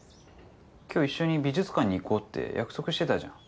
今日一緒に美術館に行こうって約束してたじゃん。